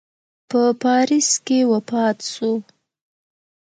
په پاریس کې وفات سو.